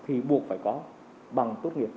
thì buộc phải có bằng tốt nghiệp